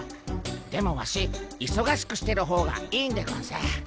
でもワシいそがしくしてる方がいいんでゴンス。